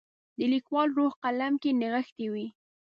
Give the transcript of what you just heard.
د لیکوال روح قلم کې نغښتی وي.